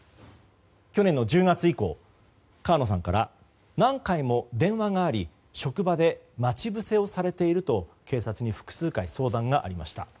去年の１０月以降川野さんから何回も電話があり職場で待ち伏せをされていると警察に複数回相談がありました。